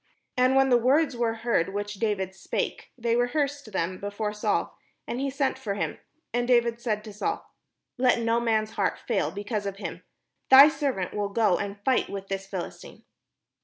And when the words were heard which David spake, they rehearsed them before Saul: and he sent for him. And David said to Saul: "Let no man's heart fail be cause of him; thy servant will go and fight with this Philistine."